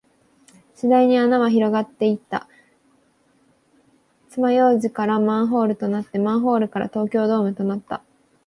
次第に穴は広がっていった。爪楊枝からマンホールとなって、マンホールから東京ドームとなった。